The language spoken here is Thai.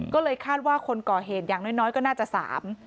ก็เลยคาดว่าคนเกาะเหตุอย่างน้อยก็น่าจะ๓